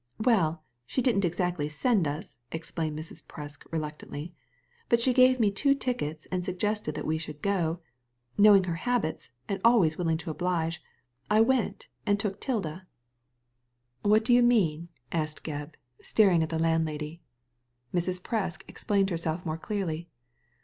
" Well, she didn't exactly send us," explained Mrs. Presk, reluctantly, " but she gave me two tickets and suggested that we should go. Knowing her habits, and always willing to oblige, I went, and took 'Tilda." D Digitized by Google 34 THE LADY FROM NOWHERE "What do you mean ?" asked Gebb, staring at the landlady. Mrs. Presk explained herself more clearly.